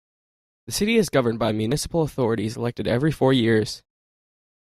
The city is governed by municipal authorities elected every four years.